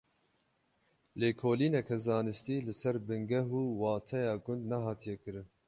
Lêkolîneke zanistî li ser bingeh û wateya gund nehatiye kirin.